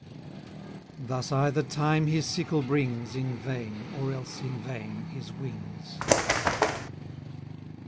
Thus either Time his sickle brings In vain, or else in vain his wings.